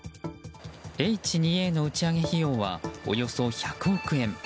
Ｈ２Ａの打ち上げ費用はおよそ１００億円。